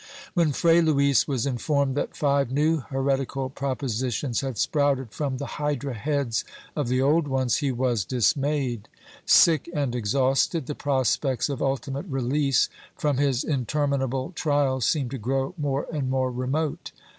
When Fray Luis was informed that five new heretical proposi tions had sprouted from the hydra heads of the old ones, he w^as dismayed. Sick and exhausted, the prospects of ultimate release from his interminable trial seemed to grow more and more remote.